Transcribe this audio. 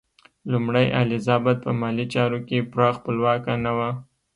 لومړۍ الیزابت په مالي چارو کې پوره خپلواکه نه وه.